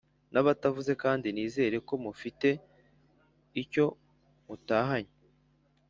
n’abatavuze kandi nizere ko mufite icyo mutahanye.